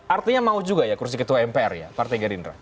artinya mau juga ya kursi ketua mpr ya partai gerindra